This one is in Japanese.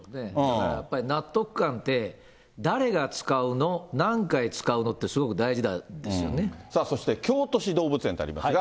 だからやっぱり納得感って、誰が使うの、何回使うのって、さあ、そして京都市動物園ってありますが。